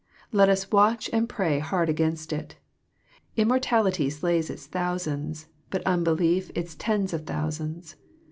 Let us watch and pray hard against it. Immortality slays its thousands, but unbelief its tens of thousands.